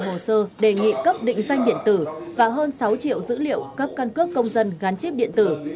hồ sơ đề nghị cấp định danh điện tử và hơn sáu triệu dữ liệu cấp căn cước công dân gắn chip điện tử